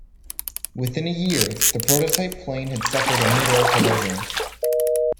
Within a year the prototype plane had suffered a mid-air collision.